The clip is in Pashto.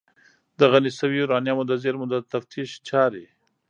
د غني شویو یورانیمو د زیرمو د تفتیش چارې